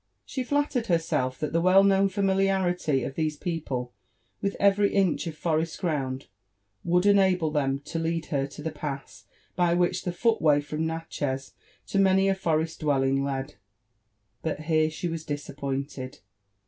She flattered herself that the well known familiarity of these people with every inch of forest ground would enable them to lead her to the pass by which the footway from Natchez to many a forest d wellkig led. But here she was disappointed.